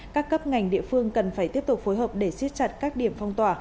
các cấp ngành địa phương cần phải tiếp tục phối hợp để siết chặt các điểm phong tỏa